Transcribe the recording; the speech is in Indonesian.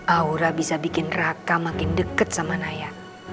aura bisa bikin raka makin dekat sama naya